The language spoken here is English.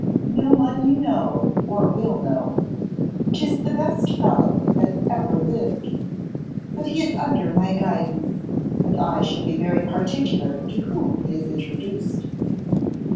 'No one you know, or will know. 'Tis the best fellow that ever lived; but he is under my guidance, and I shall be very particular to whom he is introduced.